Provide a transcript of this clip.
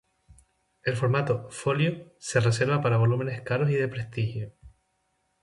El formato "folio "se reservaba para volúmenes caros y de prestigio.